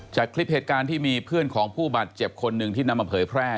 จากคลิปเหตุการณ์ที่มีเพื่อนของผู้บาดเจ็บคนหนึ่งที่นำมาเผยแพร่